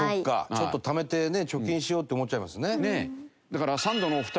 ちょっとためてね貯金しようって思っちゃいますね。